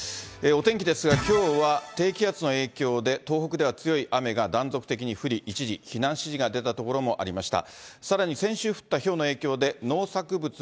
お天気ですが、きょうは低気圧の影響で、東北では強い雨が断続的に降り、一時、避難指示が出た所もありました。